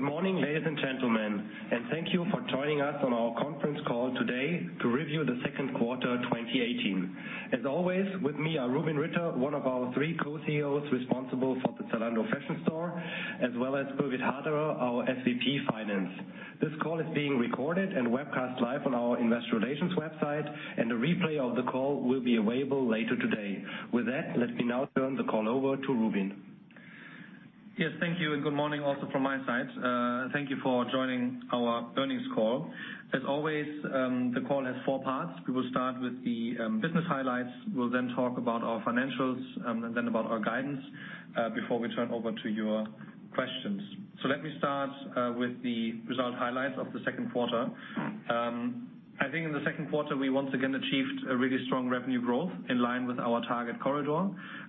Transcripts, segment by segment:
Good morning, ladies and gentlemen, and thank you for joining us on our conference call today to review the second quarter 2018. As always, with me are Rubin Ritter, one of our three Co-CEOs responsible for the Zalando fashion store, as well as Paweł Wiatrowski, our SVP Finance. This call is being recorded and webcast live on our investor relations website, and a replay of the call will be available later today. With that, let me now turn the call over to Rubin. Thank you, and good morning also from my side. Thank you for joining our earnings call. As always, the call has four parts. We will start with the business highlights. We'll then talk about our financials, then about our guidance, before we turn over to your questions. Let me start with the result highlights of the second quarter. I think in the second quarter, we once again achieved a really strong revenue growth in line with our target corridor.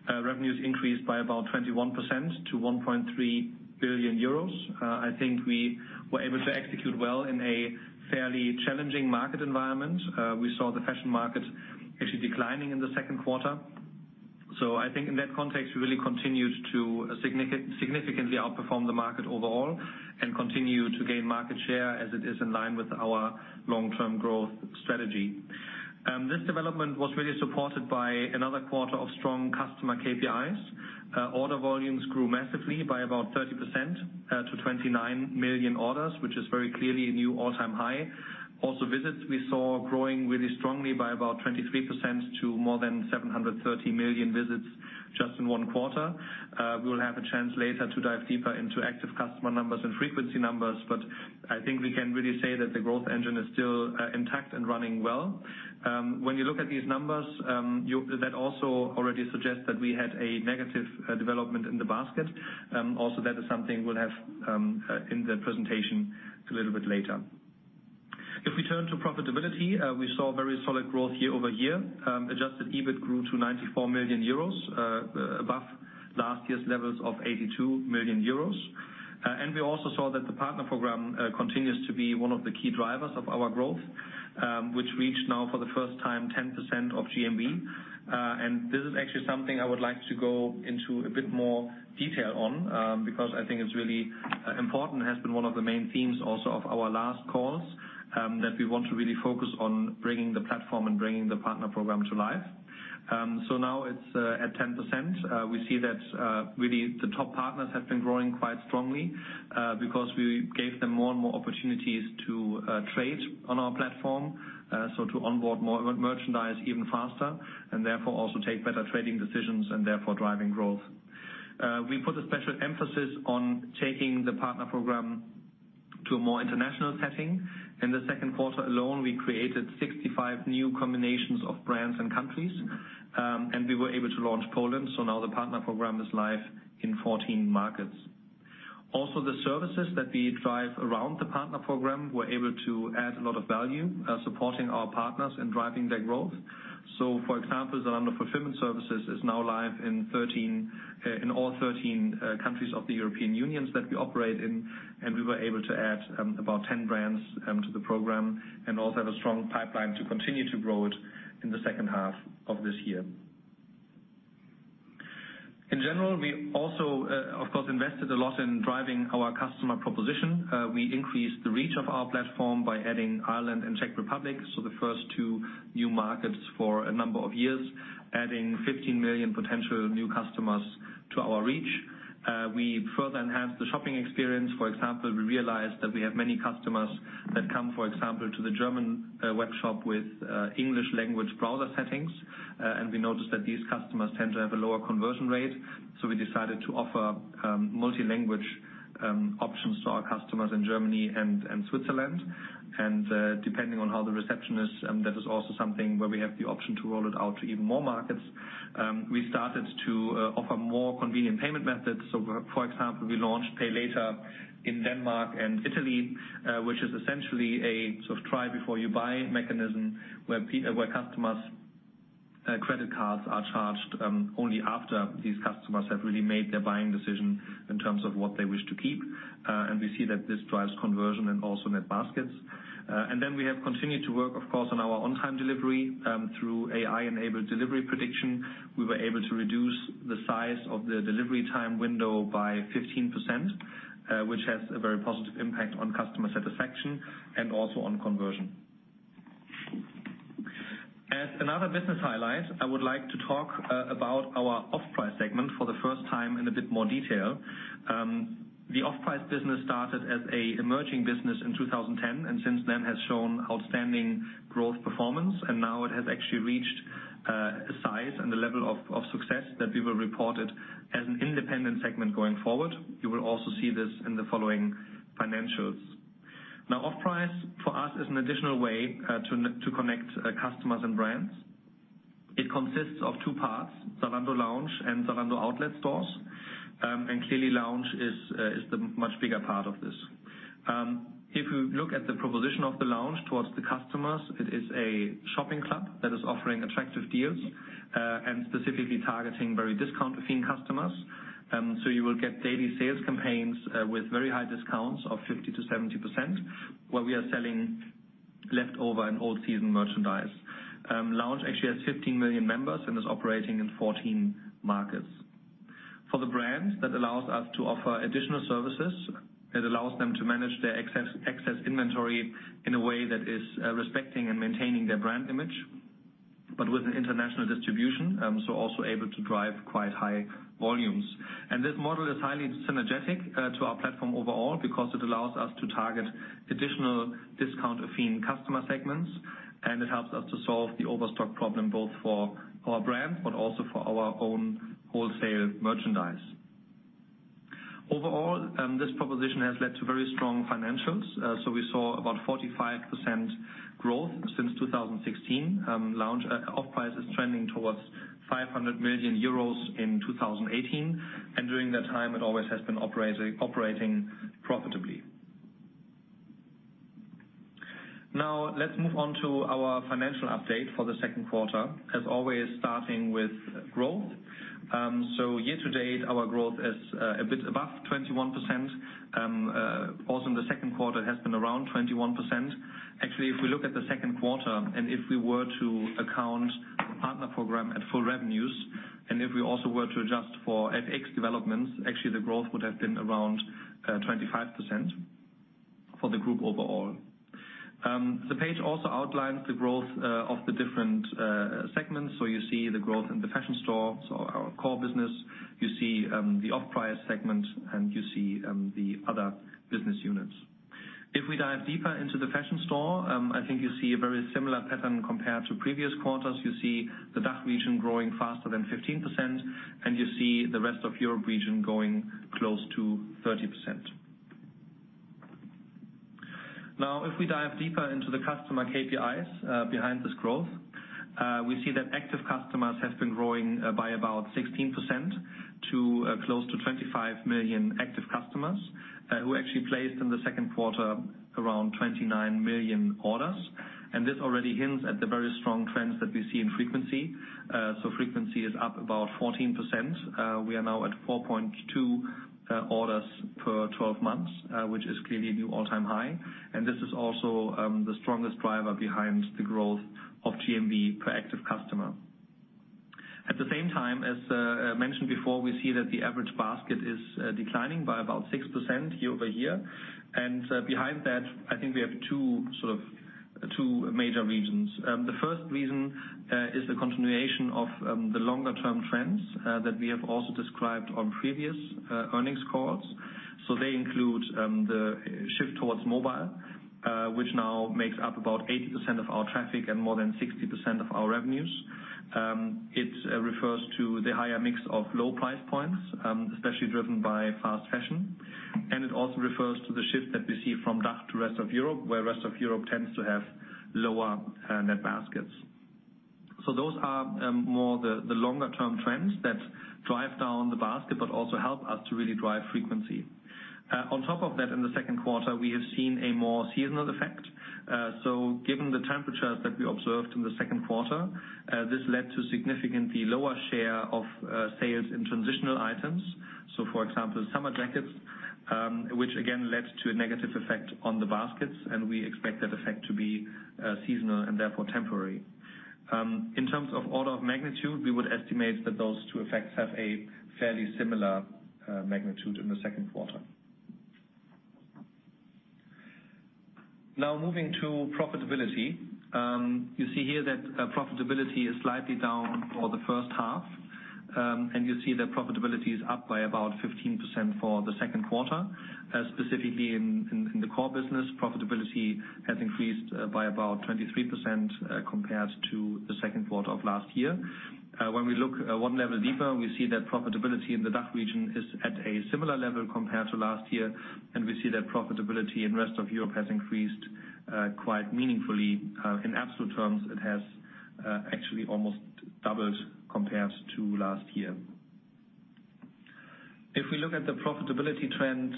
Revenues increased by about 21% to 1.3 billion euros. I think we were able to execute well in a fairly challenging market environment. We saw the fashion market actually declining in the second quarter. I think in that context, we really continued to significantly outperform the market overall and continue to gain market share as it is in line with our long-term growth strategy. This development was really supported by another quarter of strong customer KPIs. Order volumes grew massively by about 30% to 29 million orders, which is very clearly a new all-time high. Also visits, we saw growing really strongly by about 23% to more than 730 million visits just in one quarter. We will have a chance later to dive deeper into active customer numbers and frequency numbers, but I think we can really say that the growth engine is still intact and running well. When you look at these numbers, that also already suggests that we had a negative development in the basket. That is something we'll have in the presentation a little bit later. If we turn to profitability, we saw very solid growth year-over-year. Adjusted EBIT grew to 94 million euros, above last year's levels of 82 million euros. We also saw that the partner program continues to be one of the key drivers of our growth, which reached now for the first time 10% of GMV. This is actually something I would like to go into a bit more detail on because I think it's really important. It has been one of the main themes also of our last calls, that we want to really focus on bringing the platform and bringing the partner program to life. Now it's at 10%. We see that really the top partners have been growing quite strongly because we gave them more and more opportunities to trade on our platform. To onboard more merchandise even faster, and therefore also take better trading decisions and therefore driving growth. We put a special emphasis on taking the partner program to a more international setting. In the second quarter alone, we created 65 new combinations of brands and countries. We were able to launch Poland. Now the partner program is live in 14 markets. Also, the services that we drive around the partner program were able to add a lot of value supporting our partners in driving their growth. For example, Zalando Fulfillment Services is now live in all 13 countries of the European Union that we operate in. We were able to add about 10 brands to the program. Also, we have a strong pipeline to continue to grow it in the second half of this year. In general, we also, of course, invested a lot in driving our customer proposition. We increased the reach of our platform by adding Ireland and Czech Republic, the first two new markets for a number of years, adding 15 million potential new customers to our reach. We further enhanced the shopping experience. For example, we realized that we have many customers that come, for example, to the German web shop with English language browser settings. We noticed that these customers tend to have a lower conversion rate. We decided to offer multi-language options to our customers in Germany and Switzerland. Depending on how the reception is, that is also something where we have the option to roll it out to even more markets. We started to offer more convenient payment methods. For example, we launched Pay Later in Denmark and Italy, which is essentially a sort of try before you buy mechanism where customers' credit cards are charged only after these customers have really made their buying decision in terms of what they wish to keep. We see that this drives conversion and also net baskets. We have continued, of course, on our on-time delivery. Through AI-enabled delivery prediction, we were able to reduce the size of the delivery time window by 15%, which has a very positive impact on customer satisfaction and also on conversion. As another business highlight, I would like to talk about our off-price segment for the first time in a bit more detail. The off-price business started as an emerging business in 2010. Since then, it has shown outstanding growth performance. Now it has actually reached a size and the level of success that we will report it as an independent segment going forward. You will also see this in the following financials. Now, off-price for us is an additional way to connect customers and brands. It consists of two parts, Zalando Lounge and Zalando Outlet Stores. Clearly, Lounge is the much bigger part of this. If we look at the proposition of the Lounge towards the customers, it is a shopping club that is offering attractive deals and specifically targeting very discount-affined customers. You will get daily sales campaigns with very high discounts to 70%, where we are selling leftover and old-season merchandise. Lounge actually has 15 million members and is operating in 14 markets. For the brands, that allows us to offer additional services. It allows them to manage their excess inventory in a way that is respecting and maintaining their brand image, but with an international distribution, able to drive quite high volumes. This model is highly synergetic to our platform overall because it allows us to target additional discount-affined customer segments, and it helps us to solve the overstock problem both for our brand but also for our own wholesale merchandise. Overall, this proposition has led to very strong financials. We saw about 45% growth since 2016. Off Price is trending towards 500 million euros in 2018, and during that time, it always has been operating profitably. Let's move on to our financial update for the second quarter, as always, starting with growth. Year to date, our growth is a bit above 21%. Also in the second quarter, it has been around 21%. If we look at the second quarter, and if we were to account for partner program at full revenues, and if we also were to adjust for FX developments, actually the growth would have been around 25% for the group overall. The page also outlines the growth of the different segments. You see the growth in the Fashion Store, our core business, you see the Off Price segment, and you see the other business units. If we dive deeper into the Fashion Store, I think you see a very similar pattern compared to previous quarters. You see the DACH region growing faster than 15%, and you see the Rest of Europe region going close to 30%. If we dive deeper into the customer KPIs behind this growth, we see that active customers have been growing by about 16% to close to 25 million active customers, who actually placed in the second quarter around 29 million orders. This already hints at the very strong trends that we see in frequency. Frequency is up about 14%. We are now at 4.2 orders per 12 months, which is clearly a new all-time high. This is also the strongest driver behind the growth of GMV per active customer. At the same time, as mentioned before, we see that the average basket is declining by about 6% year-over-year. Behind that, I think we have two major reasons. The first reason is the continuation of the longer-term trends that we have also described on previous earnings calls. They include the shift towards mobile, which now makes up about 80% of our traffic and more than 60% of our revenues. It refers to the higher mix of low price points, especially driven by fast fashion. It also refers to the shift that we see from DACH to Rest of Europe, where Rest of Europe tends to have lower net baskets. Those are more the longer-term trends that drive down the basket but also help us to really drive frequency. On top of that, in the second quarter, we have seen a more seasonal effect. Given the temperatures that we observed in the second quarter, this led to significantly lower share of sales in transitional items. For example, summer jackets, which again led to a negative effect on the baskets, and we expect that effect to be seasonal and therefore temporary. In terms of order of magnitude, we would estimate that those two effects have a fairly similar magnitude in the second quarter. Moving to profitability. You see here that profitability is slightly down for the first half, and you see that profitability is up by about 15% for the second quarter. Specifically in the core business, profitability has increased by about 23% compared to the second quarter of last year. When we look 1 level deeper, we see that profitability in the DACH region is at a similar level compared to last year, and we see that profitability in Rest of Europe has increased quite meaningfully. In absolute terms, it has actually almost doubled compared to last year. If we look at the profitability trends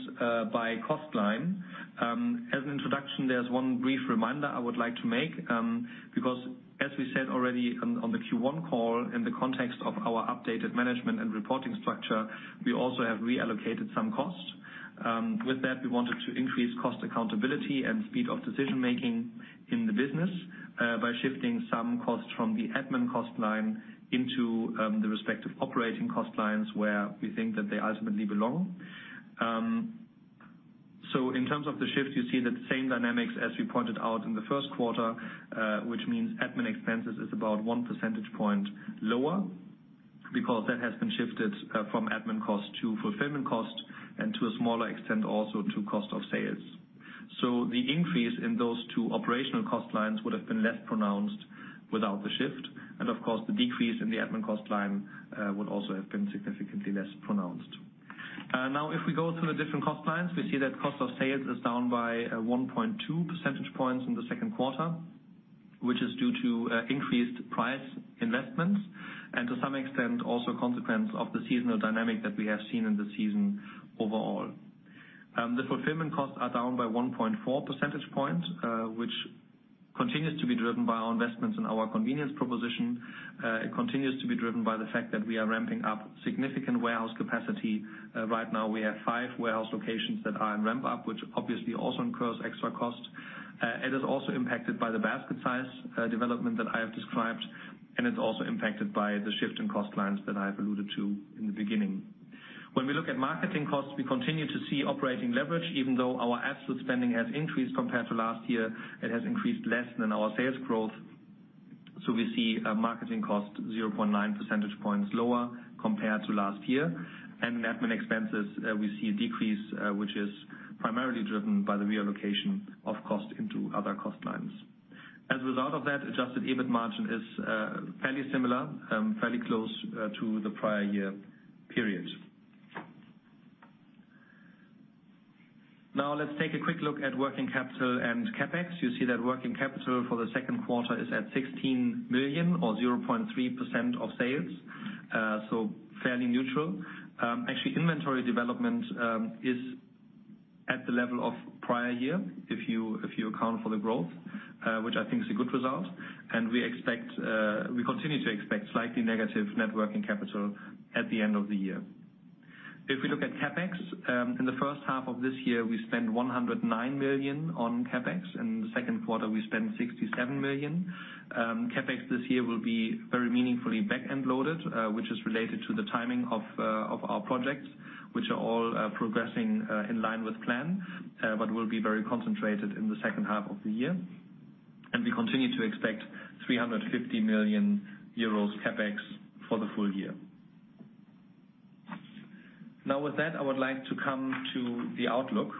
by cost line, as an introduction, there is one brief reminder I would like to make, because as we said already on the Q1 call, in the context of our updated management and reporting structure, we also have reallocated some costs. With that, we wanted to increase cost accountability and speed of decision-making in the business by shifting some costs from the admin cost line into the respective operating cost lines where we think that they ultimately belong. In terms of the shift, you see that same dynamics as we pointed out in the first quarter, which means admin expenses is about one percentage point lower because that has been shifted from admin cost to fulfillment cost and to a smaller extent, also to cost of sales. The increase in those two operational cost lines would have been less pronounced without the shift. Of course, the decrease in the admin cost line would also have been significantly less pronounced. If we go through the different cost lines, we see that cost of sales is down by 1.2 percentage points in the second quarter, which is due to increased price investments, and to some extent, also a consequence of the seasonal dynamic that we have seen in the season overall. The fulfillment costs are down by 1.4 percentage points, which continues to be driven by our investments in our convenience proposition. It continues to be driven by the fact that we are ramping up significant warehouse capacity. Right now, we have five warehouse locations that are in ramp-up, which obviously also incurs extra cost. It is also impacted by the basket size development that I have described, and it is also impacted by the shift in cost lines that I have alluded to in the beginning. When we look at marketing costs, we continue to see operating leverage. Even though our absolute spending has increased compared to last year, it has increased less than our sales growth. We see marketing cost 0.9 percentage points lower compared to last year. In admin expenses, we see a decrease, which is primarily driven by the reallocation of cost into other cost lines. As a result of that, adjusted EBIT margin is fairly similar, fairly close to the prior year period. Let's take a quick look at working capital and CapEx. You see that working capital for the second quarter is at 16 million or 0.3% of sales, fairly neutral. Actually, inventory development is at the level of prior year if you account for the growth, which I think is a good result. We continue to expect slightly negative net working capital at the end of the year. If we look at CapEx, in the first half of this year, we spent 109 million on CapEx. In the second quarter, we spent 67 million. CapEx this year will be very meaningfully back-end loaded, which is related to the timing of our projects, which are all progressing in line with plan but will be very concentrated in the second half of the year. We continue to expect 350 million euros CapEx for the full year. With that, I would like to come to the outlook.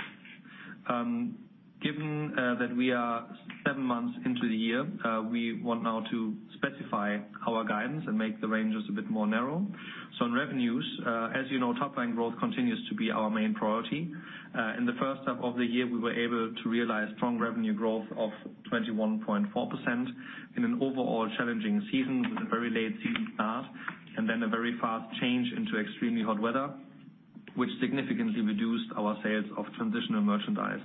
Given that we are seven months into the year, we want now to specify our guidance and make the ranges a bit more narrow. On revenues, as you know, top line growth continues to be our main priority. In the first half of the year, we were able to realize strong revenue growth of 21.4% in an overall challenging season with a very late season start and then a very fast change into extremely hot weather, which significantly reduced our sales of transitional merchandise.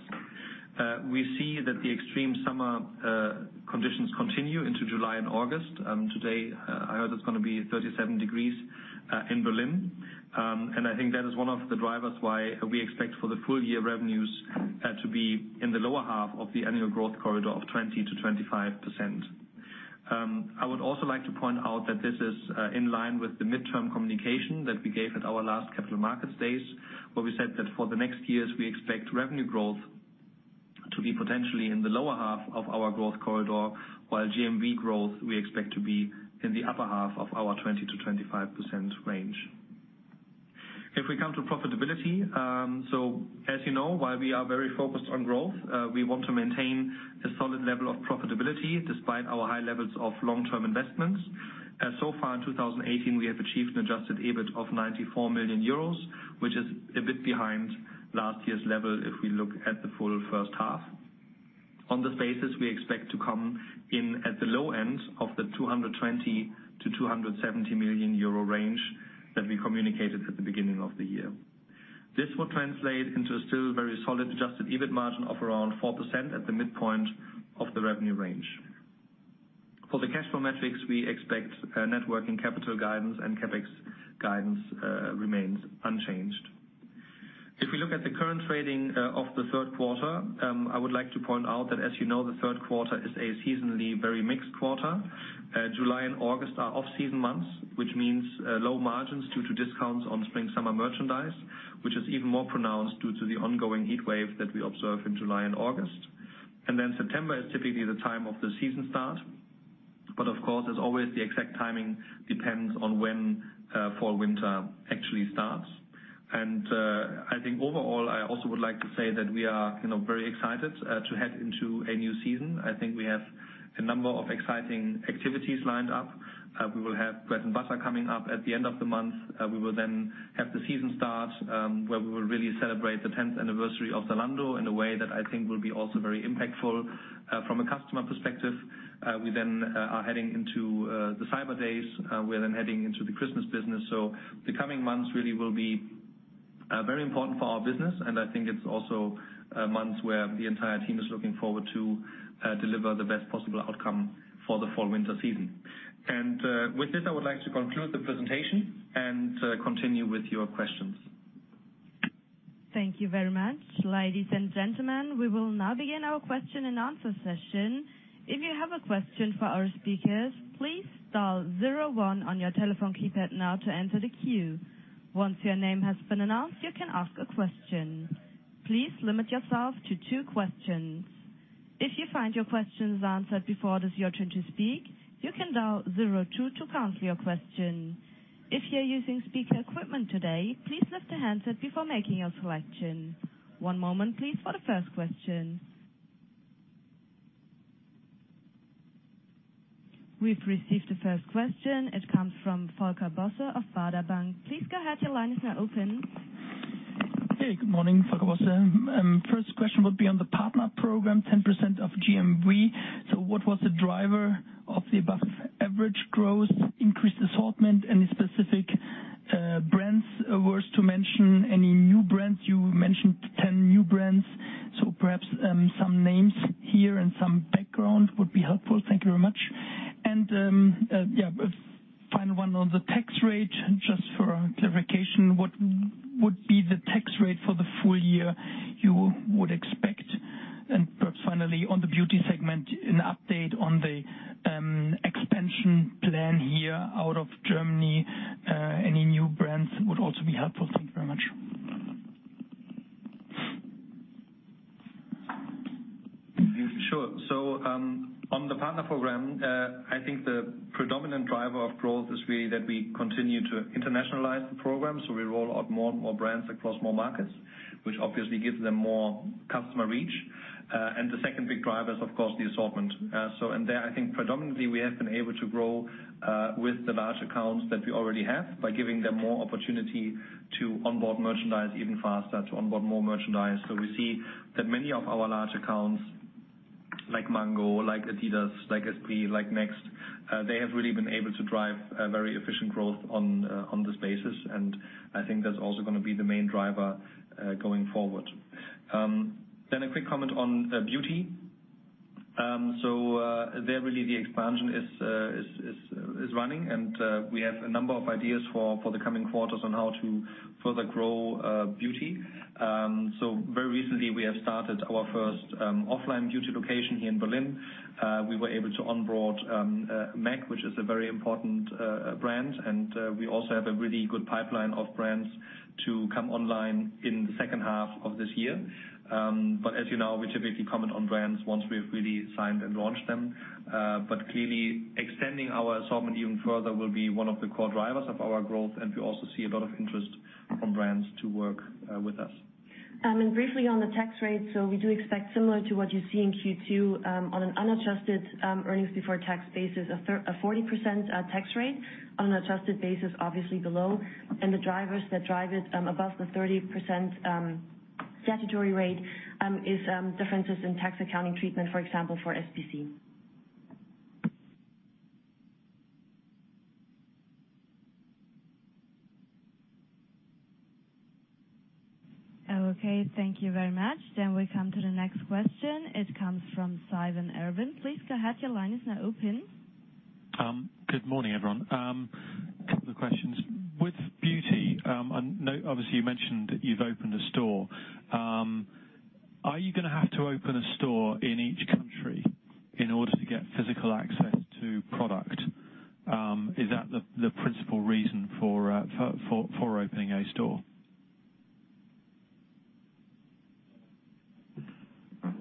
We see that the extreme summer conditions continue into July and August. Today, I heard it's going to be 37 degrees in Berlin. I think that is one of the drivers why we expect for the full year revenues to be in the lower half of the annual growth corridor of 20%-25%. I would also like to point out that this is in line with the midterm communication that we gave at our last Capital Markets Days, where we said that for the next years, we expect revenue growth to be potentially in the lower half of our growth corridor, while GMV growth we expect to be in the upper half of our 20%-25% range. If we come to profitability, as you know, while we are very focused on growth, we want to maintain a solid level of profitability despite our high levels of long-term investments. So far in 2018, we have achieved an adjusted EBIT of 94 million euros, which is a bit behind last year's level if we look at the full first half. On this basis, we expect to come in at the low end of the 220 million-270 million euro range that we communicated at the beginning of the year. This would translate into a still very solid adjusted EBIT margin of around 4% at the midpoint of the revenue range. For the cash flow metrics, we expect net working capital guidance and CapEx guidance remains unchanged. If we look at the current trading of the third quarter, I would like to point out that as you know, the third quarter is a seasonally very mixed quarter. July and August are off-season months, which means low margins due to discounts on spring/summer merchandise, which is even more pronounced due to the ongoing heatwave that we observe in July and August. September is typically the time of the season start. Of course, as always, the exact timing depends on when fall/winter actually starts. Overall, I also would like to say that we are very excited to head into a new season. I think we have a number of exciting activities lined up. We will have Bread & Butter coming up at the end of the month. We will have the season start, where we will really celebrate the 10th anniversary of Zalando in a way that I think will be also very impactful from a customer perspective. We are heading into the Cyber Days. We are heading into the Christmas business. The coming months really will be very important for our business, and I think it is also months where the entire team is looking forward to deliver the best possible outcome for the fall/winter season. With this, I would like to conclude the presentation and continue with your questions. Thank you very much. Ladies and gentlemen, we will now begin our question and answer session. If you have a question for our speakers, please dial 01 on your telephone keypad now to enter the queue. Once your name has been announced, you can ask a question. Please limit yourself to two questions. If you find your questions answered before it is your turn to speak, you can dial 02 to cancel your question. If you're using speaker equipment today, please lift the handset before making a selection. One moment, please, for the first question. We've received the first question. It comes from Volker Bosse of Baader Bank. Please go ahead, your line is now open. Hey, good morning. Volker Bosse. First question would be on the partner program, 10% of GMV. What was the driver of the above-average growth? Increased assortment? Any specific Brands, worth to mention any new brands. You mentioned 10 new brands, so perhaps some names here and some background would be helpful. Thank you very much. Final one on the tax rate, just for clarification, what would be the tax rate for the full year you would expect? Perhaps finally, on the beauty segment, an update on the expansion plan here out of Germany. Any new brands would also be helpful. Thank you very much. Sure. On the partner program, I think the predominant driver of growth is really that we continue to internationalize the program. We roll out more and more brands across more markets, which obviously gives them more customer reach. The second big driver is, of course, the assortment. There, I think predominantly we have been able to grow, with the large accounts that we already have by giving them more opportunity to onboard merchandise even faster, to onboard more merchandise. We see that many of our large accounts like Mango, like Adidas, like Nike SB, like Next, they have really been able to drive very efficient growth on this basis. I think that's also going to be the main driver, going forward. A quick comment on beauty. There really the expansion is running and, we have a number of ideas for the coming quarters on how to further grow beauty. Very recently we have started our first offline beauty location here in Berlin. We were able to onboard MAC, which is a very important brand, we also have a really good pipeline of brands to come online in the second half of this year. As you know, we typically comment on brands once we've really signed and launched them. Clearly extending our assortment even further will be one of the core drivers of our growth. We also see a lot of interest from brands to work with us. Briefly on the tax rate. We do expect similar to what you see in Q2, on an unadjusted earnings before tax basis of a 40% tax rate on an adjusted basis, obviously below, and the drivers that drive it above the 30% statutory rate, is differences in tax accounting treatment, for example, for SBC. Okay. Thank you very much. We come to the next question. It comes from Simon Irwin. Please go ahead. Your line is now open. Good morning, everyone. Couple of questions. With beauty, obviously you mentioned that you've opened a store. Are you going to have to open a store in each country in order to get physical access to product? Is that the principal reason for opening a store?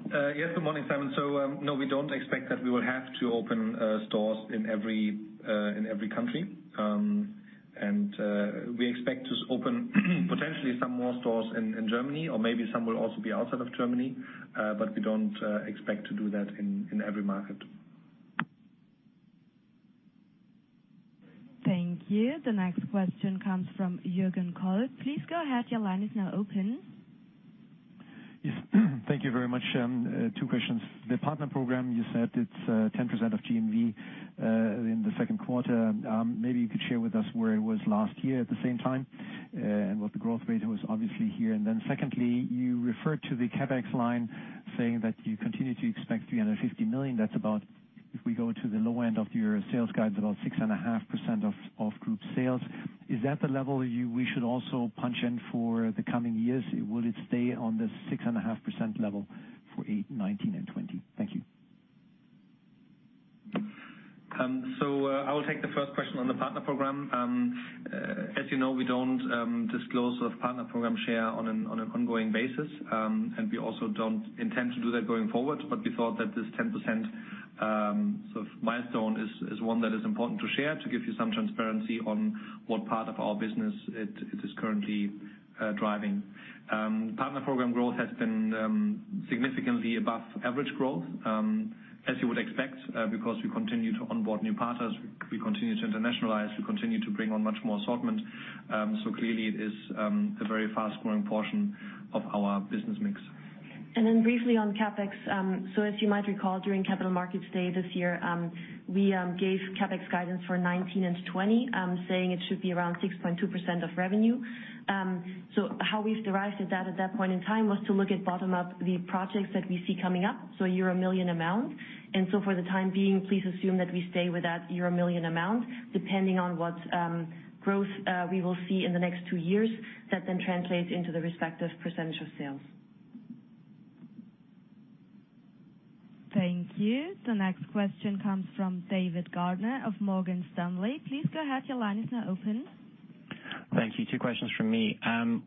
Yes. Good morning, Simon. No, we don't expect that we will have to open stores in every country. We expect to open potentially some more stores in Germany or maybe some will also be outside of Germany. We don't expect to do that in every market. Thank you. The next question comes from Jürgen Kolb. Please go ahead. Your line is now open. Yes. Thank you very much. Two questions. The partner program, you said it's 10% of GMV, in the second quarter. Maybe you could share with us where it was last year at the same time, and what the growth rate was obviously here. Secondly, you referred to the CapEx line saying that you continue to expect 350 million. That's about, if we go to the low end of your sales guide, about 6.5% of group sales. Is that the level we should also punch in for the coming years? Will it stay on the 6.5% level for 2019 and 2020? Thank you. I will take the first question on the partner program. As you know, we don't disclose sort of partner program share on an ongoing basis. We also don't intend to do that going forward. We thought that this 10%, sort of milestone is one that is important to share, to give you some transparency on what part of our business it is currently driving. Partner program growth has been significantly above average growth, as you would expect, because we continue to onboard new partners, we continue to internationalize, we continue to bring on much more assortment. Clearly it is a very fast-growing portion of our business mix. Briefly on CapEx. As you might recall, during Capital Markets Day this year, we gave CapEx guidance for 2019 and 2020, saying it should be around 6.2% of revenue. How we've derived that at that point in time was to look at bottom up the projects that we see coming up. Euro million amount. For the time being, please assume that we stay with that euro million amount depending on what growth we will see in the next two years. That translates into the respective percentage of sales. Thank you. The next question comes from David Schröder of Morgan Stanley. Please go ahead. Your line is now open. Thank you. Two questions from me.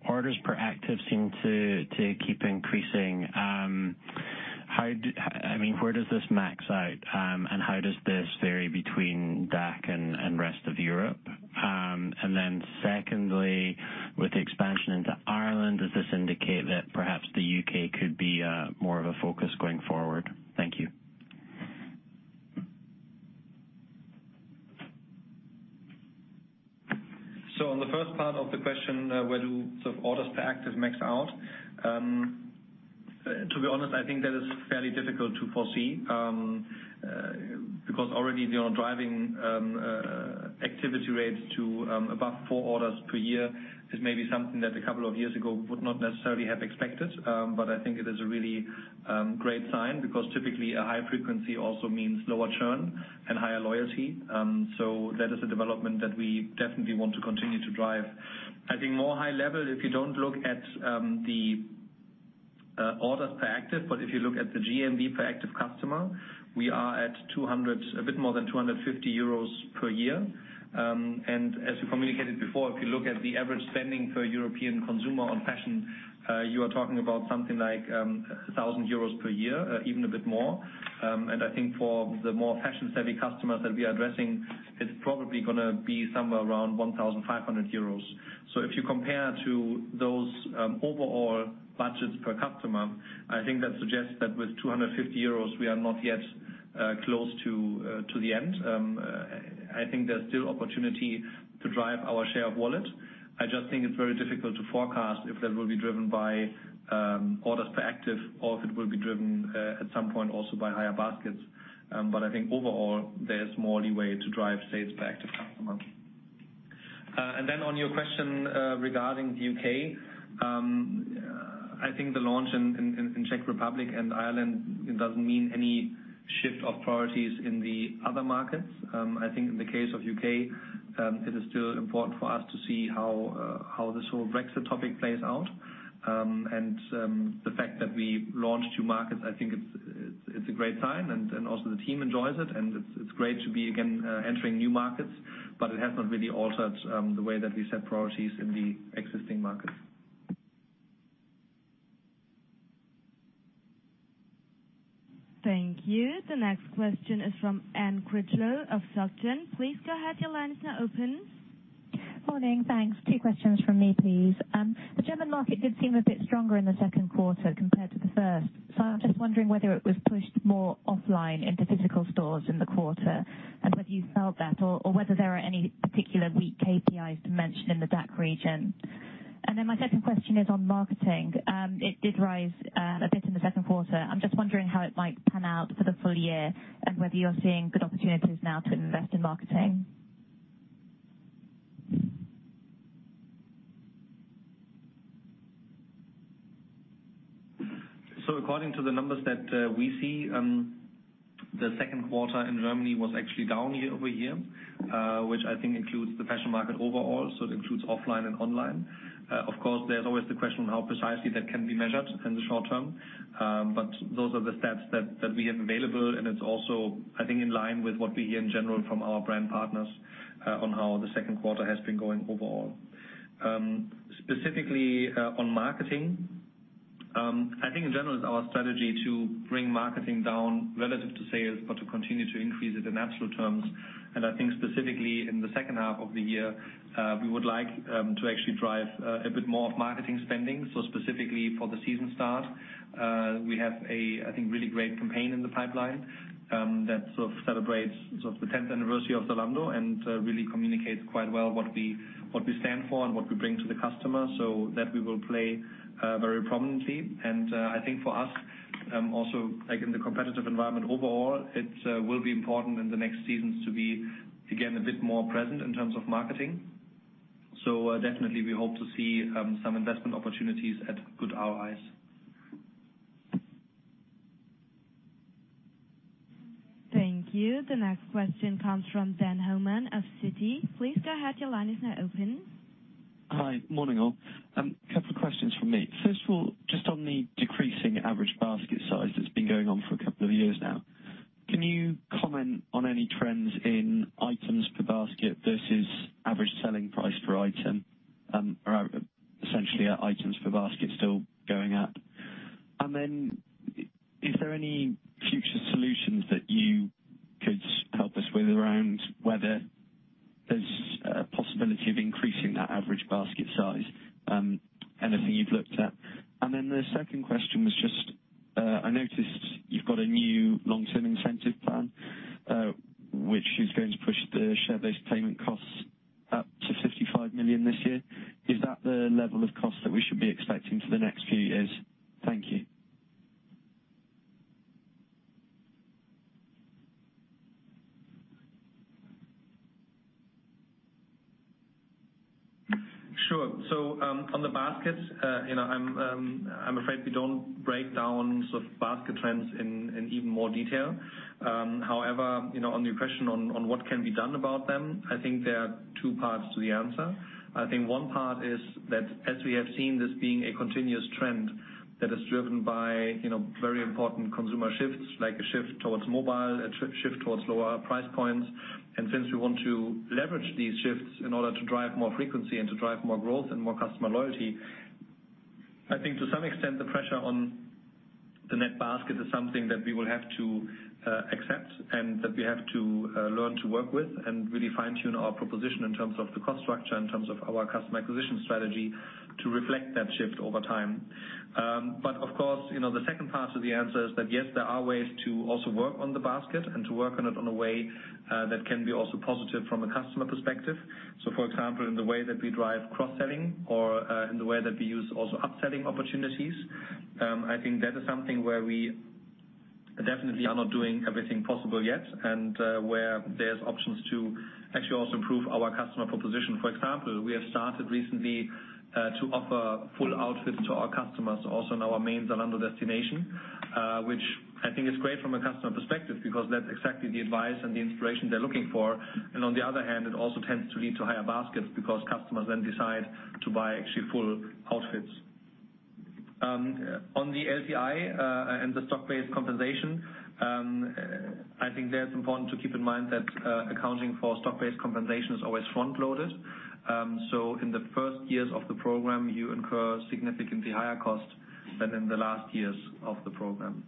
Orders per active seem to keep increasing. Where does this max out? How does this vary between DACH and Rest of Europe? Secondly, with the expansion into Ireland, does this indicate that perhaps the U.K. could be more of a focus going forward? Thank you. On the first part of the question, where do sort of orders per active max out? To be honest, I think that is fairly difficult to foresee because already they are driving activity rates to above four orders per year is maybe something that a couple of years ago would not necessarily have expected. I think it is a really great sign, because typically a high frequency also means lower churn and higher loyalty. That is a development that we definitely want to continue to drive. I think more high level, if you do not look at the orders per active, but if you look at the GMV per active customer, we are at a bit more than 250 euros per year. As we communicated before, if you look at the average spending per European consumer on fashion, you are talking about something like 1,000 euros per year, even a bit more. I think for the more fashion-savvy customers that we are addressing, it is probably going to be somewhere around 1,500 euros. If you compare to those overall budgets per customer, I think that suggests that with 250 euros, we are not yet close to the end. I think there is still opportunity to drive our share of wallet. I just think it is very difficult to forecast if that will be driven by orders per active or if it will be driven at some point also by higher baskets. I think overall, there is more leeway to drive sales per active customer. On your question regarding the U.K., I think the launch in Czech Republic and Ireland does not mean any shift of priorities in the other markets. I think in the case of U.K., it is still important for us to see how this whole Brexit topic plays out. The fact that we launched two markets, I think it is a great sign and also the team enjoys it and it is great to be, again, entering new markets, but it has not really altered the way that we set priorities in the existing markets. Thank you. The next question is from Anne Critchlow of Susquehanna. Please go ahead, your line is now open. Morning. Thanks. Two questions from me, please. The German market did seem a bit stronger in the second quarter compared to the first. I'm just wondering whether it was pushed more offline into physical stores in the quarter and whether you felt that or whether there are any particular weak KPIs to mention in the DACH region. My second question is on marketing. It did rise a bit in the second quarter. I'm just wondering how it might pan out for the full year and whether you're seeing good opportunities now to invest in marketing. According to the numbers that we see, the second quarter in Germany was actually down year-over-year, which I think includes the fashion market overall. It includes offline and online. Of course, there's always the question of how precisely that can be measured in the short term. Those are the stats that we have available, and it's also, I think, in line with what we hear in general from our brand partners on how the second quarter has been going overall. Specifically, on marketing, I think in general it's our strategy to bring marketing down relative to sales, but to continue to increase it in absolute terms. I think specifically in the second half of the year, we would like to actually drive a bit more of marketing spending. Specifically for the season start, we have a, I think, really great campaign in the pipeline that sort of celebrates the 10th anniversary of Zalando and really communicates quite well what we stand for and what we bring to the customer. That we will play very prominently. I think for us also, like in the competitive environment overall, it will be important in the next seasons to be, again, a bit more present in terms of marketing. Definitely we hope to see some investment opportunities at good ROIs. Thank you. The next question comes from Adam Cochrane of Citi. Please go ahead, your line is now open. Hi. Morning all. A couple of questions from me. First of all, just on the decreasing average basket size that's been going on for a couple of years now. Can you comment on any trends in items per basket versus average selling price per item? accept and that we have to learn to work with and really fine-tune our proposition in terms of the cost structure, in terms of our customer acquisition strategy to reflect that shift over time. But of course, the second part of the answer is that, yes, there are ways to also work on the basket and to work on it in a way that can be also positive from a customer perspective. For example, in the way that we drive cross-selling or in the way that we use also upselling opportunities. I think that is something where we definitely are not doing everything possible yet and where there's options to actually also improve our customer proposition. For example, we have started recently to offer full outfits to our customers, also in our main Zalando destination, which I think is great from a customer perspective because that's exactly the advice and the inspiration they're looking for. On the other hand, it also tends to lead to higher baskets because customers then decide to buy actual full outfits. On the LTI, the stock-based compensation, I think there it's important to keep in mind that accounting for stock-based compensation is always front-loaded. In the first years of the program, you incur significantly higher costs than in the last years of the program.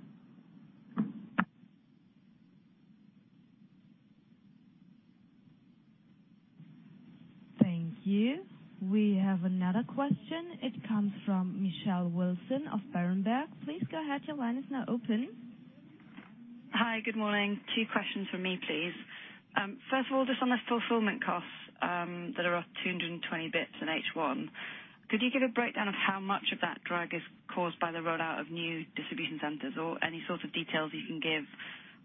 Thank you. We have another question. It comes from Michelle Wilson of Berenberg. Please go ahead. Your line is now open. Hi, good morning. Two questions from me, please. First of all, just on the fulfillment costs that are up 220 basis points in H1, could you give a breakdown of how much of that drag is caused by the rollout of new distribution centers? Any sort of details you can give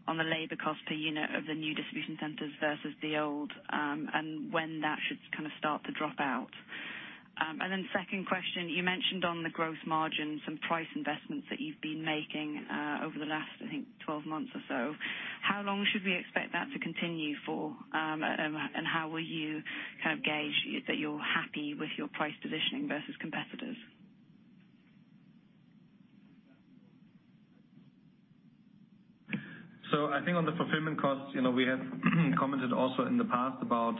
on the labor cost per unit of the new distribution centers versus the old, and when that should start to drop out? Second question, you mentioned on the gross margin some price investments that you've been making over the last, I think, 12 months or so. How long should we expect that to continue for? How will you gauge that you're happy with your price positioning versus competitors? I think on the fulfillment costs, we have commented also in the past about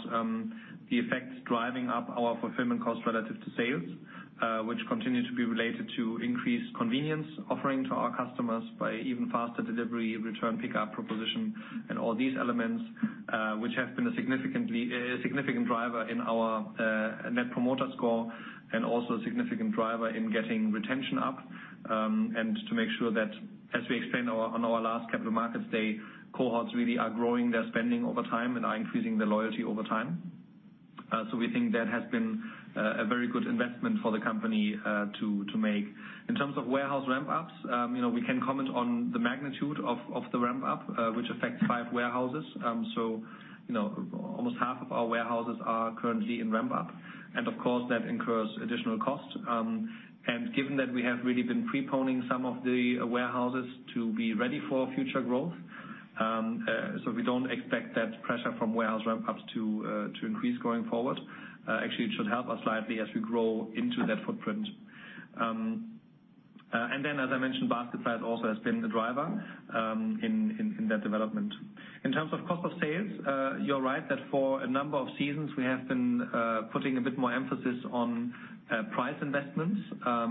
the effects driving up our fulfillment costs relative to sales, which continue to be related to increased convenience offering to our customers by even faster delivery, return pickup proposition and all these elements, which have been a significant driver in our net promoter score and also a significant driver in getting retention up. To make sure that, as we explained on our last Capital Markets Day, cohorts really are growing their spending over time and are increasing their loyalty over time. We think that has been a very good investment for the company to make. In terms of warehouse ramp-ups. We can comment on the magnitude of the ramp-up, which affects five warehouses. Almost half of our warehouses are currently in ramp-up. Of course, that incurs additional cost. Given that we have really been pre-poning some of the warehouses to be ready for future growth. We don't expect that pressure from warehouse ramp-ups to increase going forward. Actually, it should help us slightly as we grow into that footprint. As I mentioned, basket size also has been the driver in that development. In terms of cost of sales, you're right that for a number of seasons, we have been putting a bit more emphasis on price investments.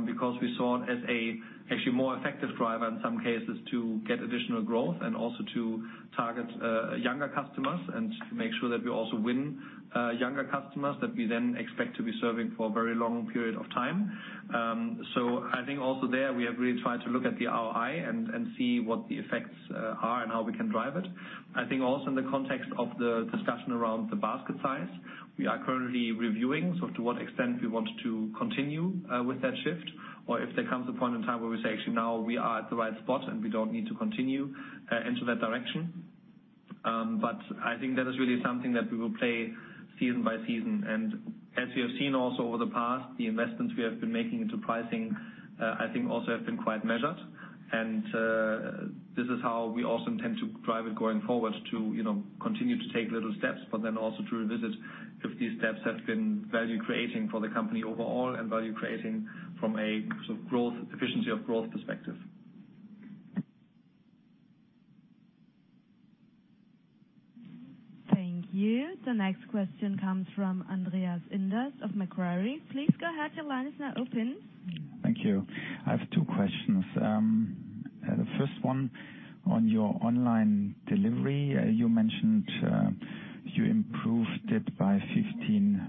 Because we saw it as a actually more effective driver in some cases to get additional growth and also to target younger customers and to make sure that we also win younger customers that we then expect to be serving for a very long period of time. I think also there we have really tried to look at the ROI and see what the effects are and how we can drive it. I think also in the context of the discussion around the basket size, we are currently reviewing. To what extent we want to continue with that shift or if there comes a point in time where we say, "Actually, now we are at the right spot, and we don't need to continue into that direction." I think that is really something that we will play season by season. As we have seen also over the past, the investments we have been making into pricing, I think also have been quite measured. This is how we also intend to drive it going forward to continue to take little steps, but then also to revisit if these steps have been value-creating for the company overall and value-creating from a efficiency of growth perspective. Thank you. The next question comes from Andreas Inderst of Macquarie. Please go ahead. Your line is now open. Thank you. I have two questions. The first one on your online delivery. You mentioned you improved it by 15%.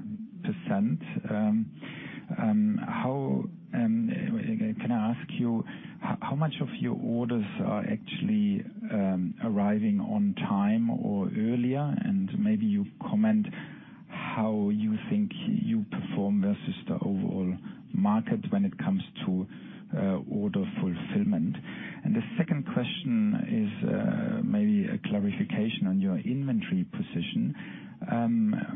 Can I ask you how much of your orders are actually arriving on time or earlier? Maybe you comment how you think you perform versus the overall market when it comes to order fulfillment. The second question is maybe a clarification on your inventory position.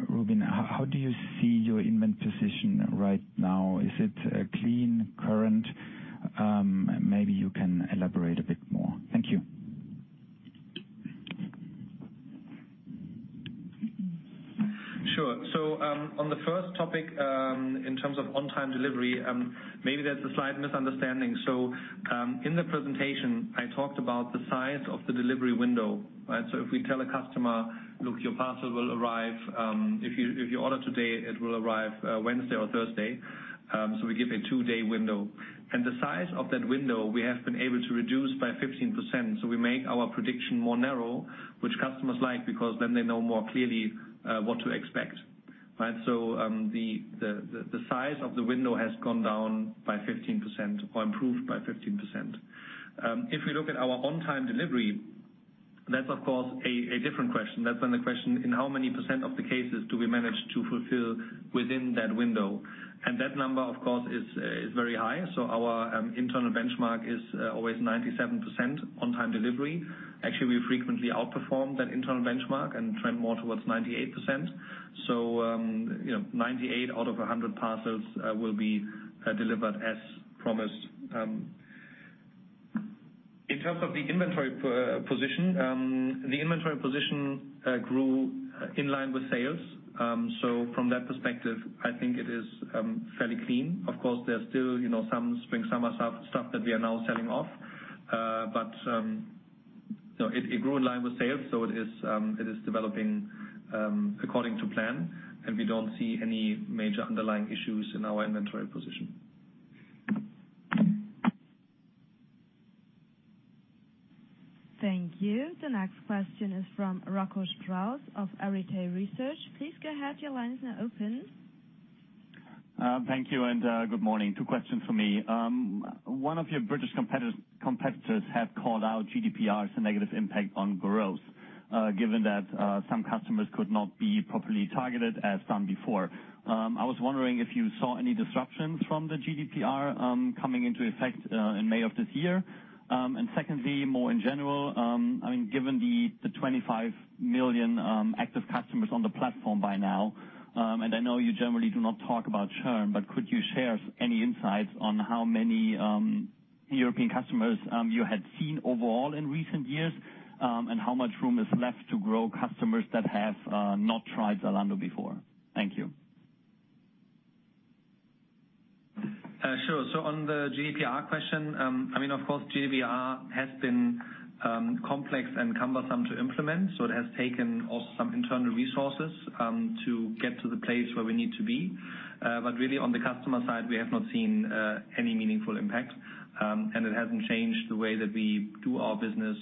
Rubin, how do you see your inventory position right now? Is it clean, current? Maybe you can elaborate a bit more. Thank you. Sure. On the first topic, in terms of on-time delivery, maybe that's a slight misunderstanding. In the presentation, I talked about the size of the delivery window. If we tell a customer, "Look, your parcel will arrive. If you order today, it will arrive Wednesday or Thursday." We give a two-day window. The size of that window, we have been able to reduce by 15%. We make our prediction more narrow, which customers like, because then they know more clearly what to expect. The size of the window has gone down by 15% or improved by 15%. If we look at our on-time delivery, that's of course a different question. That's when the question, in how many % of the cases do we manage to fulfill within that window? That number, of course, is very high. Our internal benchmark is always 97% on time delivery. Actually, we frequently outperform that internal benchmark and trend more towards 98%. 98 out of 100 parcels will be delivered as promised. In terms of the inventory position. The inventory position grew in line with sales. From that perspective, I think it is fairly clean. Of course, there's still some spring/summer stuff that we are now selling off. It grew in line with sales, so it is developing according to plan, and we don't see any major underlying issues in our inventory position. Thank you. The next question is from Rocco Strauss of Arete Research. Please go ahead. Your line is now open. Thank you, and good morning. Two questions from me. One of your British competitors have called out GDPR as a negative impact on growth, given that some customers could not be properly targeted as done before. I was wondering if you saw any disruptions from the GDPR coming into effect in May of this year. Secondly, more in general, given the 25 million active customers on the platform by now, I know you generally do not talk about churn, but could you share any insights on how many European customers you had seen overall in recent years? How much room is left to grow customers that have not tried Zalando before? Thank you. Sure. On the GDPR question, of course, GDPR has been complex and cumbersome to implement, so it has taken also some internal resources to get to the place where we need to be. Really on the customer side, we have not seen any meaningful impact, and it hasn't changed the way that we do our business,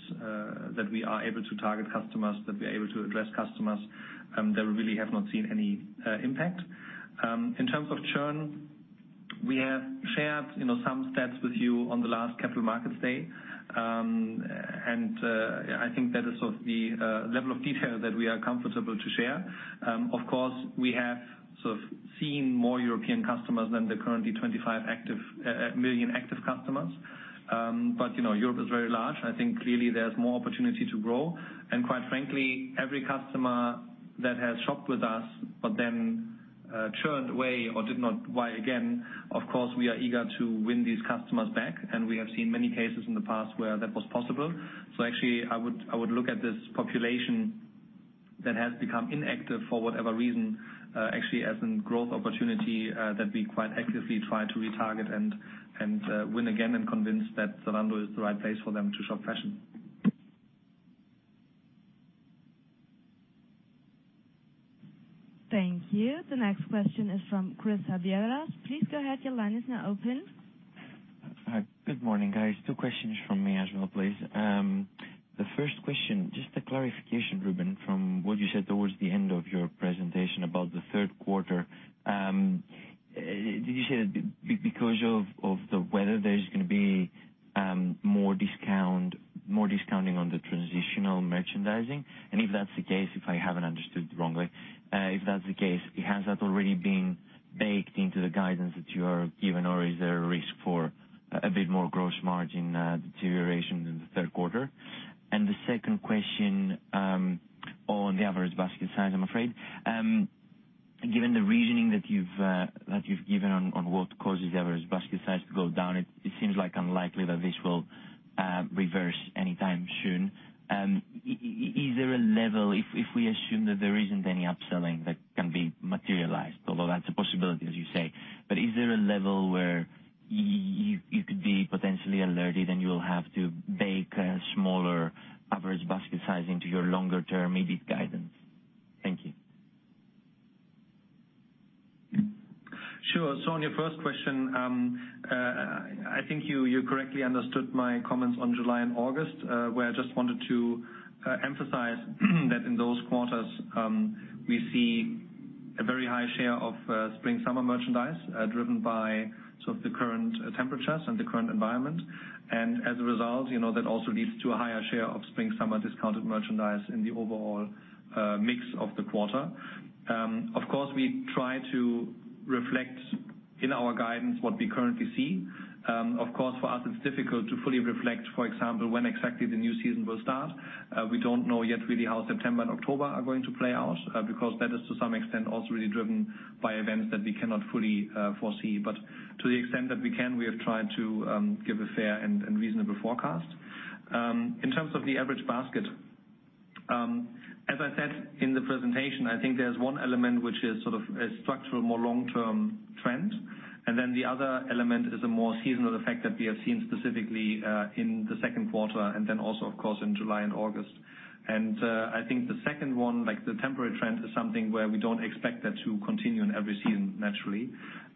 that we are able to target customers, that we're able to address customers. There we really have not seen any impact. In terms of churn, we have shared some stats with you on the last Capital Markets Day. I think that is sort of the level of detail that we are comfortable to share. Of course, we have sort of seen more European customers than the currently 25 million active customers. Europe is very large, and I think clearly there's more opportunity to grow. Quite frankly, every customer that has shopped with us but then churned away or did not buy again, of course, we are eager to win these customers back, and we have seen many cases in the past where that was possible. Actually, I would look at this population that has become inactive for whatever reason, actually as a growth opportunity that we quite actively try to retarget and win again and convince that Zalando is the right place for them to shop fashion. Thank you. The next question is from Christodoulos Chaviaras. Please go ahead. Your line is now open. Hi. Good morning, guys. Two questions from me as well, please. The first question, just a clarification, Rubin, from what you said towards the end of your presentation about the third quarter. Did you say that because of the weather, there's going to be more discounting on the transitional merchandising? If that's the case, if I haven't understood wrongly, if that's the case, has that already been baked into the guidance that you are given or is there a risk for a bit more gross margin deterioration in the third quarter? The second question on the average basket size, I'm afraid. Given the reasoning that you've given on what causes the average basket size to go down, it seems unlikely that this will reverse anytime soon. Is there a level, if we assume that there isn't any upselling that can be materialized, although that's a possibility, as you say. Is there a level where you could be potentially alerted and you'll have to bake a smaller average basket size into your longer-term, maybe guidance? Thank you. Sure. On your first question, I think you correctly understood my comments on July and August, where I just wanted to emphasize that in those quarters, we see a very high share of spring/summer merchandise driven by sort of the current temperatures and the current environment. As a result, that also leads to a higher share of spring/summer discounted merchandise in the overall mix of the quarter. Of course, we try to reflect in our guidance what we currently see. Of course, for us, it's difficult to fully reflect, for example, when exactly the new season will start. We don't know yet really how September and October are going to play out because that is to some extent also really driven by events that we cannot fully foresee. To the extent that we can, we have tried to give a fair and reasonable forecast. In terms of the average basket, as I said in the presentation, I think there's one element which is sort of a structural, more long-term trend. The other element is a more seasonal effect that we have seen specifically in the second quarter, and then also, of course, in July and August. I think the second one, the temporary trend, is something where we don't expect that to continue in every season, naturally.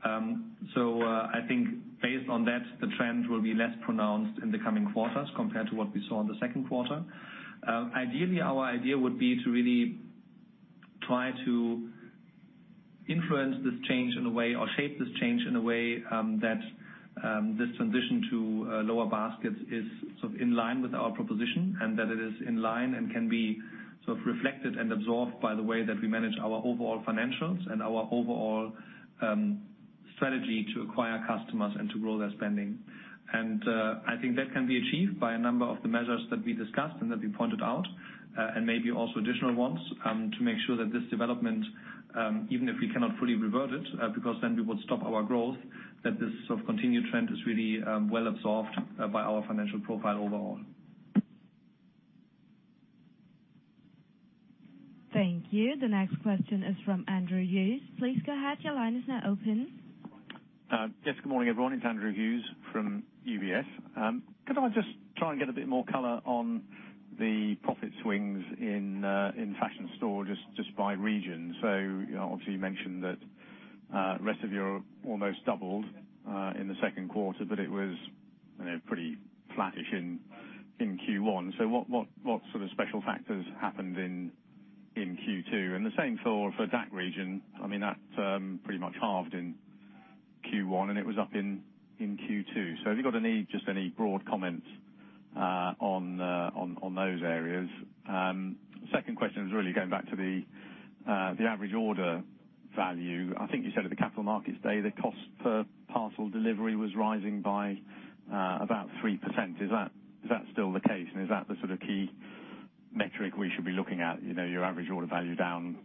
I think based on that, the trend will be less pronounced in the coming quarters compared to what we saw in the second quarter. Ideally, our idea would be to really try to influence this change in a way or shape this change in a way that this transition to lower baskets is in line with our proposition, and that it is in line and can be reflected and absorbed by the way that we manage our overall financials and our overall strategy to acquire customers and to grow their spending. I think that can be achieved by a number of the measures that we discussed and that we pointed out, and maybe also additional ones to make sure that this development, even if we cannot fully revert it, because then we would stop our growth, that this continued trend is really well absorbed by our financial profile overall. Thank you. The next question is from Andrew Hughes. Please go ahead. Your line is now open. Good morning everyone. It's Andrew Hughes from UBS. Could I just try and get a bit more color on the profit swings in fashion store just by region? Obviously you mentioned that the Rest of Europe almost doubled in the 2nd quarter, but it was pretty flattish in Q1. What sort of special factors happened in Q2? The same for DACH region. That pretty much halved in Q1 and it was up in Q2. Have you got just any broad comments on those areas? Second question is really going back to the average order value. I think you said at the Capital Markets Day, the cost per parcel delivery was rising by about 3%. Is that still the case? Is that the sort of key metric we should be looking at? Your average order value down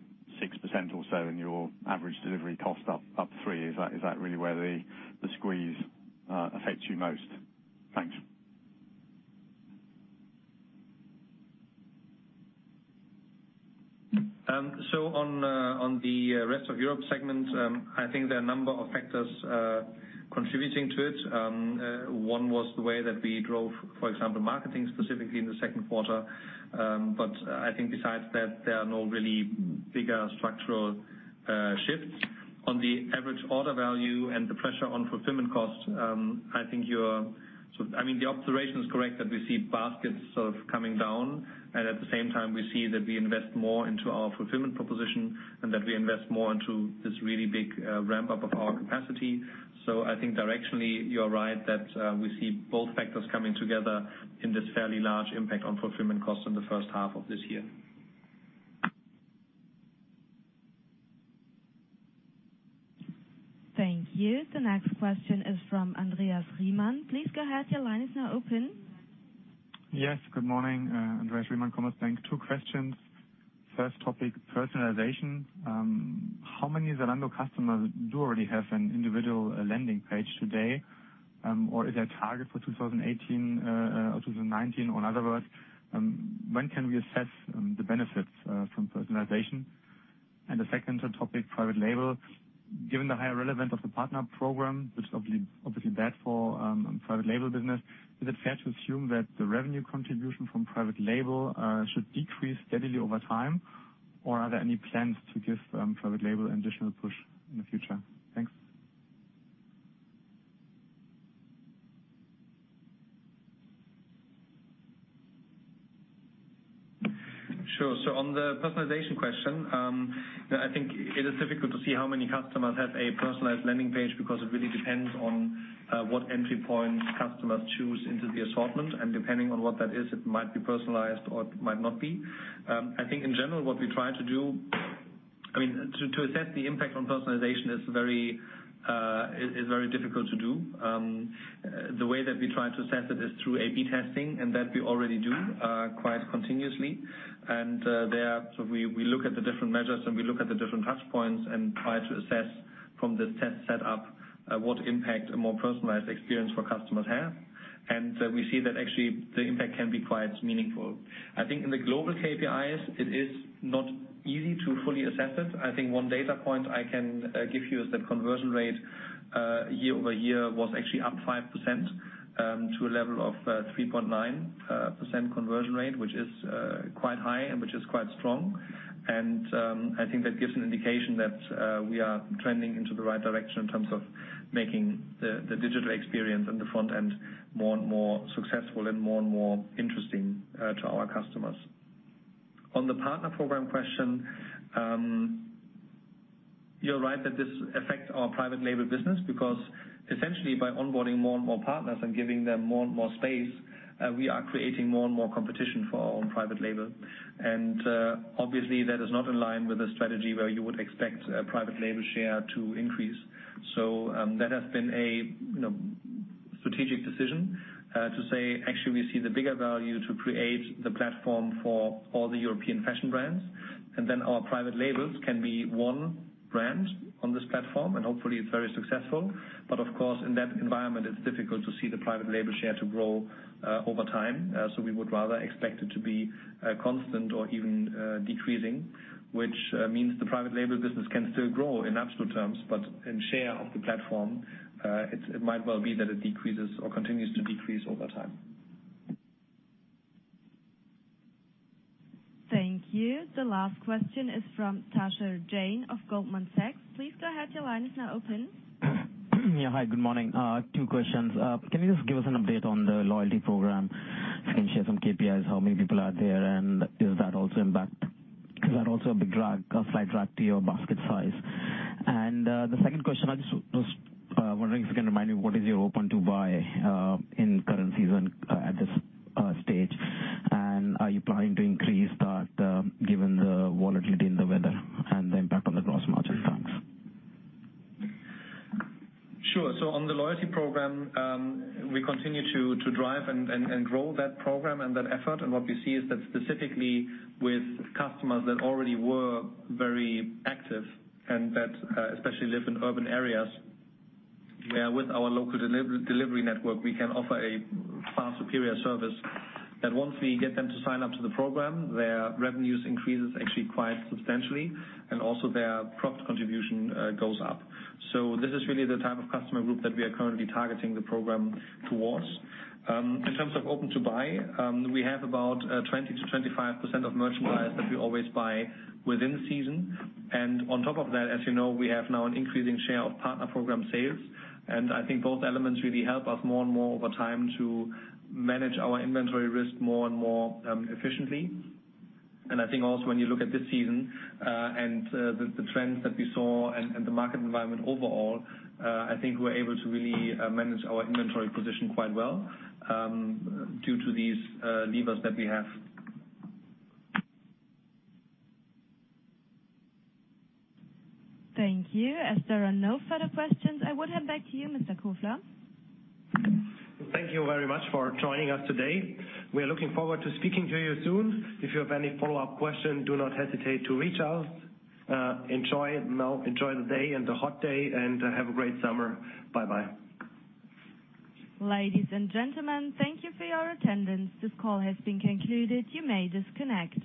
6% or so and your average delivery cost up 3%. Is that really where the squeeze affects you most? Thanks. On the Rest of Europe segment, I think there are a number of factors contributing to it. One was the way that we drove, for example, marketing specifically in the second quarter. I think besides that, there are no really bigger structural shifts. On the average order value and the pressure on fulfillment costs. I think the observation is correct that we see baskets sort of coming down, and at the same time, we see that we invest more into our fulfillment proposition and that we invest more into this really big ramp-up of our capacity. I think directionally you're right that we see both factors coming together in this fairly large impact on fulfillment costs in the first half of this year. Thank you. The next question is from Andreas Riemann. Please go ahead. Your line is now open. Yes, good morning. Andreas Riemann, Commerzbank. Two questions. First topic, personalization. How many Zalando customers do already have an individual landing page today? Is there a target for 2018, or 2019? In other words, when can we assess the benefits from personalization? The second topic, private label. Given the higher relevance of the partner program, which is obviously bad for private label business, is it fair to assume that the revenue contribution from private label should decrease steadily over time? Are there any plans to give private label additional push in the future? Thanks. Sure. On the personalization question, I think it is difficult to see how many customers have a personalized landing page because it really depends on what entry point customers choose into the assortment. Depending on what that is, it might be personalized or it might not be. I think in general, what we try to do to assess the impact on personalization is very difficult to do. The way that we try to assess it is through A/B testing, and that we already do quite continuously. There, we look at the different measures and we look at the different touchpoints and try to assess from this test set up what impact a more personalized experience for customers have. We see that actually the impact can be quite meaningful. I think in the global KPIs, it is not easy to fully assess it. I think one data point I can give you is that conversion rate year-over-year was actually up 5% to a level of 3.9% conversion rate, which is quite high and which is quite strong. I think that gives an indication that we are trending into the right direction in terms of making the digital experience on the front end more and more successful and more and more interesting to our customers. On the partner program question, you're right that this affects our private label business because essentially by onboarding more and more partners and giving them more and more space, we are creating more and more competition for our own private label. Obviously, that is not in line with a strategy where you would expect a private label share to increase. That has been a strategic decision to say, actually, we see the bigger value to create the platform for all the European fashion brands, and then our private labels can be one brand on this platform, and hopefully it's very successful. Of course, in that environment, it's difficult to see the private label share to grow over time. We would rather expect it to be constant or even decreasing, which means the private label business can still grow in absolute terms, but in share of the platform, it might well be that it decreases or continues to decrease over time. Thank you. The last question is from Tushar Jain of Goldman Sachs. Please go ahead. Your line is now open. Hi, good morning. Two questions. Can you just give us an update on the loyalty program? If you can share some KPIs, how many people are there, and is that also a big drag, a slight drag to your basket size? The second question, I just was wondering if you can remind me what is your open-to-buy, in current season at this stage. Are you planning to increase that, given the volatility in the weather and the impact on the gross margin? Thanks. Sure. On the loyalty program, we continue to drive and roll that program and that effort. What we see is that specifically with customers that already were very active and that, especially live in urban areas, where with our local delivery network, we can offer a far superior service. That once we get them to sign up to the program, their revenues increases actually quite substantially, and also their profit contribution goes up. This is really the type of customer group that we are currently targeting the program towards. In terms of open to buy, we have about 20%-25% of merchandise that we always buy within season. On top of that, as you know, we have now an increasing share of partner program sales. I think both elements really help us more and more over time to manage our inventory risk more and more efficiently. I think also when you look at this season, and the trends that we saw and the market environment overall, I think we're able to really manage our inventory position quite well due to these levers that we have. Thank you. As there are no further questions, I would hand back to you, Mr. Kofler. Thank you very much for joining us today. We are looking forward to speaking to you soon. If you have any follow-up questions, do not hesitate to reach out. Enjoy the day and the hot day, and have a great summer. Bye-bye. Ladies and gentlemen, thank you for your attendance. This call has been concluded. You may disconnect.